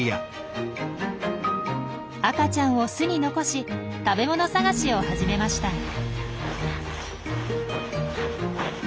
赤ちゃんを巣に残し食べ物探しを始めました。